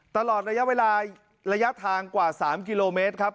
ตลอดระยะเวลาระยะทางกว่า๓กิโลเมตรครับ